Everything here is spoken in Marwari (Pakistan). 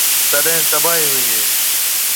تڏيَ تباهائِي هوئي هيَ۔